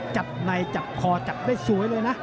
จับในจับคอจับได้สวยเลยนะ